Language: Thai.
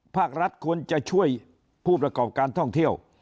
ภาครัฐควรจะช่วยผู้ประกอบการท่องเที่ยว